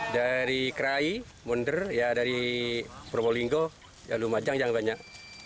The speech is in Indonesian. dari kerai monder ya dari probolinggo lumajang yang banyak